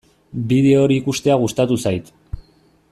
Bideo hori ikustea gustatu zait.